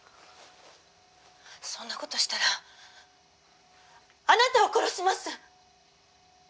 「そんなことしたらあなたを殺します」